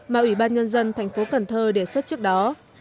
mà ủy ban nhân dân tp cn đề xuất trước đó